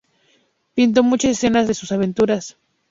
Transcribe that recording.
Pintó muchas escenas de sus aventuras.